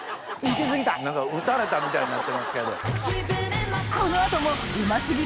何か撃たれたみたいになってますけど。